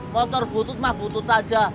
motor butut mah butut aja